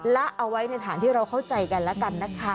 และเอาไว้ในฐานที่เราเข้าใจกันแล้วกันนะคะ